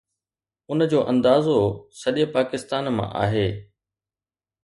ان جو اندازو سڄي پاڪستان مان آهي.